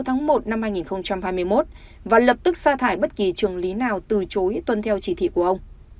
ngày một tháng một năm hai nghìn hai mươi một và lập tức xa thải bất kỳ trường lý nào từ chối tuân theo chỉ thị của ông